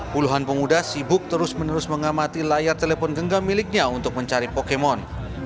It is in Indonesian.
puluhan pemuda sibuk terus menerus mengamati layar telepon genggam miliknya untuk mencari pokemon